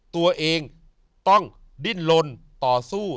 ตัวเองต้องดิ้นลนต่อสู้